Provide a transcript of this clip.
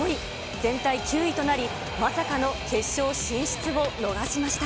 全体９位となり、まさかの決勝進出を逃がしました。